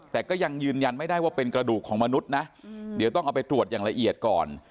แต่ก็ยังยืนยันไม่ได้ว่าเป็นกระดูกของมนุษย์นะเดี๋ยวต้องเอาไปตรวจอย่างละเอียดก่อน